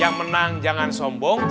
yang menang jangan sombong